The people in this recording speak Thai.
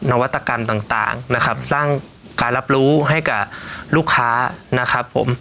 นวัตกรรมต่างนะครับสร้างการรับรู้ให้กับลูกค้านะครับผม